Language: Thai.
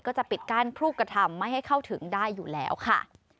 ก็จะปิดกั้นผู้กระทำไม่ให้เข้าถึงได้อยู่แล้วค่ะ